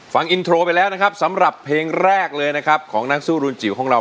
ฟังอินโทรไปแล้วนะครับสำหรับเพลงแรกเลยนะครับของนักสู้รุนจิ๋วของเรา